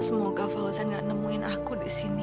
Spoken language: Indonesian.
semoga fauzan gak nemuin aku di sini